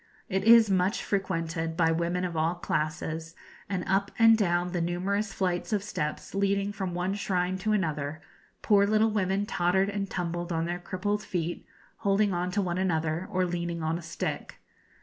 It is much frequented by women of all classes, and up and down the numerous flights of steps leading from one shrine to another, poor little women tottered and tumbled on their crippled feet, holding on to one another, or leaning on a stick.